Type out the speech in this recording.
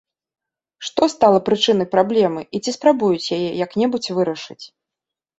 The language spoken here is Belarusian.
Што стала прычынай праблемы і ці спрабуюць яе як-небудзь вырашыць?